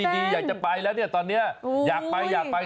คิดดีอยาก๑๙๘๒แล้วตอนเนี้ยอยากไป